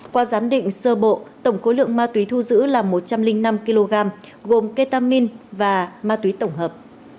qua giám định sơ bộ tổng khối lượng ma túy thu giữ là một trăm linh năm kg gồm ketamin và ma túy tổng hợp